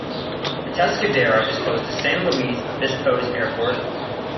Atascadero is close to San Luis Obispo's airport.